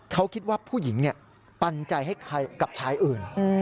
เขาคิดว่าผู้หญิงปันใจให้กับชายอื่น